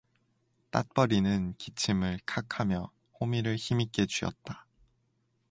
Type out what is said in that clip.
땃버리는 기침을 칵 하며 호미를 힘있게 쥐었다.